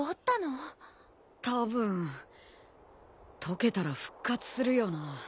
溶けたら復活するよな。